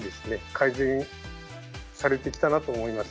改善されてきたなと思います。